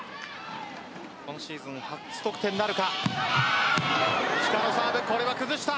今シーズン初得点なるか。